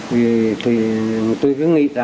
vì tôi cứ nghĩ